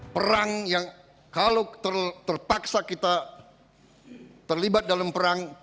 perang yang kalau terpaksa kita terlibat dalam perang